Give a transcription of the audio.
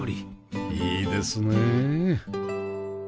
いいですね